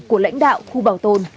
của lãnh đạo khu bảo tồn